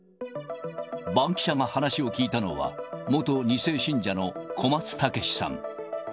バンキシャが話を聞いたのは、元２世信者の小松猛さん。